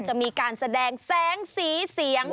จะมีการแสดงแสงสีเสียง